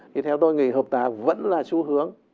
thì theo tôi thì hợp tác vẫn là xu hướng